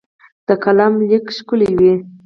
د قلم لیک ښکلی وي.